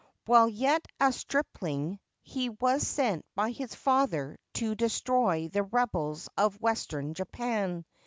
While yet a stripling he was sent by his father to destroy the rebels of Western Japan.